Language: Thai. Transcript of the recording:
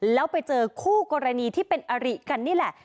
แล้วไปเจอคู่กรณีที่เป็นอริกันนี่แหละ